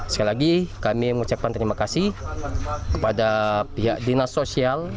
sekali lagi kami mengucapkan terima kasih kepada pihak dinas sosial